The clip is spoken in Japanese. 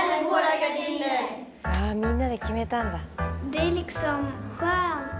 みんなで決めたんだ。